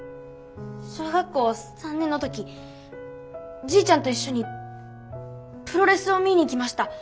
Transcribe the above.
小学校３年の時じいちゃんと一緒にプロレスを見に行きました。